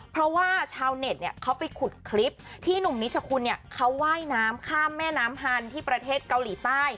เพราะว่าชาวเน็ตเนี่ยเขาไปขุดคลิปที่หนุ่มนิชคุณเนี่ยเขาว่ายน้ำข้ามแม่น้ำฮันที่ประเทศเกาหลีใต้